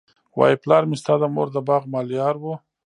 وايي پلار مي ستا د مور د باغ ملیار وو